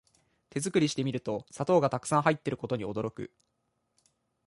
手作りしてみると砂糖がたくさん入ってることに驚く